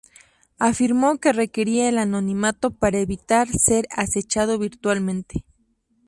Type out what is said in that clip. Afirmó que requería el anonimato para evitar ser acechado virtualmente.